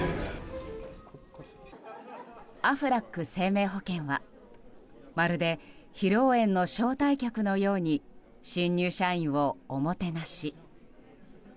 アフラック生命保険はまるで披露宴の招待客のように新入社員をおもてなし。